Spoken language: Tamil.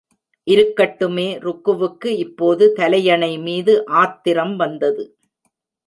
இருக்கட்டுமே! ருக்குவுக்கு இப்போது தலையணை மீது ஆத்திரம் வந்தது.